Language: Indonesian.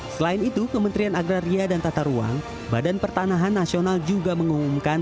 selain itu kementerian agraria dan tata ruang badan pertanahan nasional juga mengumumkan